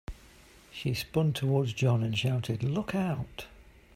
She spun towards John and shouted, "Look Out!"